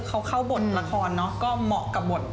เขาเข้าบทละครเนอะก็เหมาะกับบท